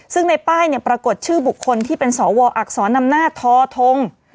ซึ่งในป้ายปรากฏชื่อบุคคลที่เป็นสวอักษรนำหน้าทอทง